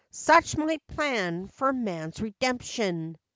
" Such my plan for man's redemption